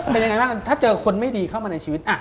เป็นยังไงบ้างถ้าเจอคนไม่ดีเข้ามาในชีวิต